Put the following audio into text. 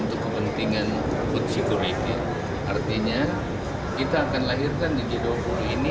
masalah pangan itu adalah human right